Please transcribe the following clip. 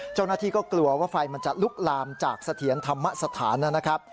เจ้าหน้าที่ก็กลัวว่าไฟมันจะลุกลามจากเสถียรธรรมสถานนะครับ